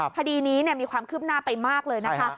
คดีนี้มีความคืบหน้าไปมากเลยนะคะ